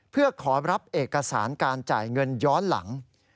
เพื่อขอรับเอกสารการจ่ายเงินย้อนหลัง